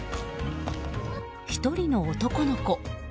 １人の男の子。